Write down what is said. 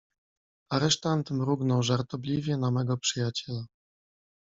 "Aresztant mrugnął żartobliwie na mego przyjaciela."